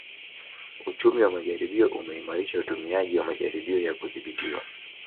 Uchumi wa majaribio umeimarisha utumiaji wa majaribio ya kudhibitiwa